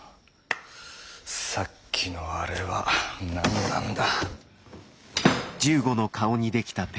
さっきのアレは何なんだ？